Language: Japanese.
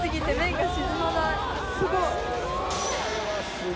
すごい！